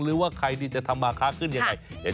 หรือว่าใครที่จะทำอาคารขึ้นอย่างไร